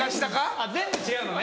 あっ全部違うのね。